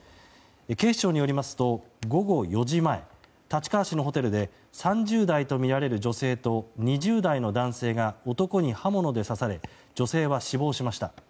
警視庁によりますと午後４時前立川市のホテルで３０代とみられる女性と２０代の男性が男に刃物で刺され女性は死亡しました。